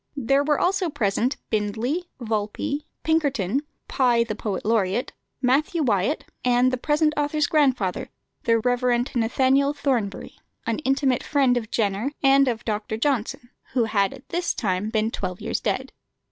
There were also present Bindley, Valpy, Pinkerton, Pye the poet laureate, Matthew Wyatt, and the present author's grandfather, the Rev. Nathaniel Thornbury, an intimate friend of Jenner and of Dr. Johnson, who had at this time been twelve years dead.